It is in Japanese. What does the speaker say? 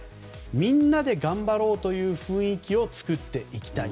みんなで頑張ろうという雰囲気を作っていきたい。